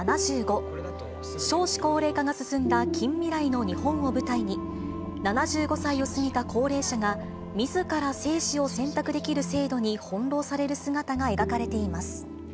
少子高齢化が進んだ近未来の日本を舞台に、７５歳を過ぎた高齢者がみずから生死を選択できる制度に翻弄される姿が描かれています。